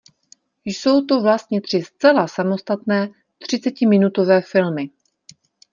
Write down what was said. Jsou to vlastně tři zcela samostatné třicetiminutové filmy.